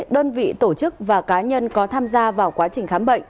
đơn vị tổ chức và cá nhân có tham gia vào quá trình khám bệnh